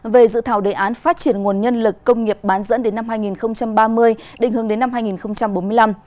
về dự thảo đề án phát triển nguồn nhân lực công nghiệp bán dẫn đến năm hai nghìn ba mươi định hướng đến năm hai nghìn bốn mươi năm